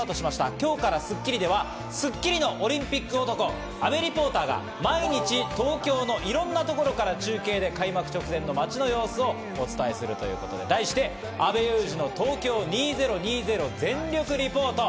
今日から『スッキリ』では『スッキリ』のオリンピック男・阿部リポーターが毎日東京のいろんなところから直前、街の様子をお伝えする、題して、阿部祐二のＴＯＫＹＯ２０２０全力リポート。